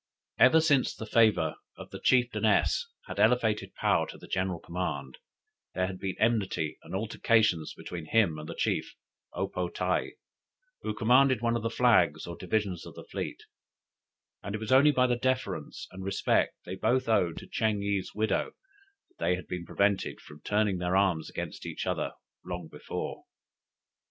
Ever since the favor of the chieftainess had elevated Paou to the general command, there had been enmity and altercations between him and the chief O po tae, who commanded one of the flags or divisions of the fleet; and it was only by the deference and respect they both owed to Ching yih's widow, that they had been prevented from turning their arms against each other long before.